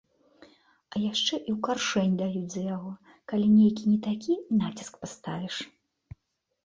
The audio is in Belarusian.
А яшчэ і ў каршэнь даюць за яго, калі нейкі не такі націск паставіш.